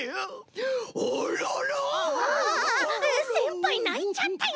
ああせんぱいないちゃったよ！